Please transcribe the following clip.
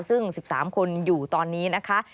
ซึ่ง๑๓คนอยู่ตอนนี้นะคะ